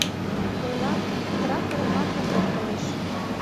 Ойлат: трактор мландым локтылеш.